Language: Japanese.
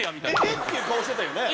えっ？っていう顔してたよね。